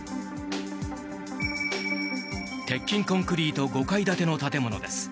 鉄筋コンクリート５階建ての建物です。